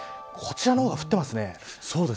こちらの方が降っていますね。